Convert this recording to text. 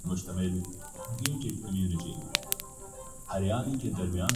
بال tampering case سٹریلوی cricketers نے سزائیں قبول کر لیں